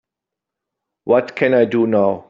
what can I do now?